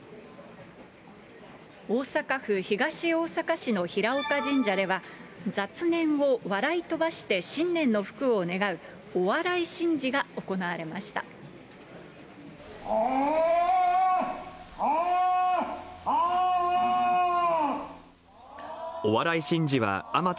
大阪府東大阪市の枚岡神社では、雑念を笑い飛ばして新年の福を願う、お笑い神事が行われました。